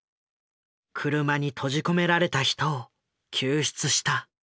車に閉じ込められた人を救出した。